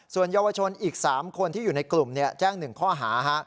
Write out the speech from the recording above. ส่วนเยาวชนอีก๓คนที่อยู่ในกลุ่มแจ้ง๑ข้อหา